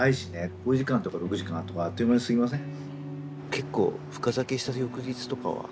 ５時間とか６時間とかあっという間に過ぎません？